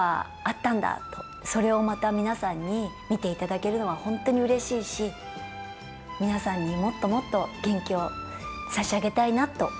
それをまた皆さんに見ていただけるのは本当にうれしいし皆さんにもっともっと元気を差し上げたいなと思ってます。